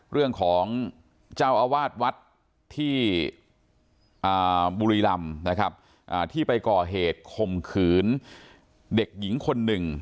เรื่องของเจ้าอาวาสวัดที่บุรีรำนะครับที่ไปก่อเหตุข่มขืนเด็กหญิงคนหนึ่ง